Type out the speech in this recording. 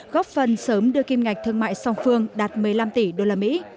góp phần sớm đưa kim ngạch thương mại song phương đạt một mươi năm tỷ usd